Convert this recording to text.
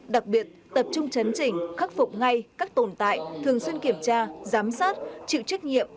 đặc biệt tập trung chấn chỉnh khắc phục ngay các tồn tại thường xuyên kiểm tra giám sát chịu trách nhiệm